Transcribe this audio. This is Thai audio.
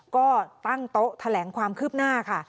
ก็ตั้งโต๊ะแถลงความคืบหน้าค่ะ